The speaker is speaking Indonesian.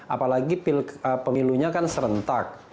apalagi pemilunya kan serentak